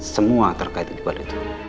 semua terkait iqbal itu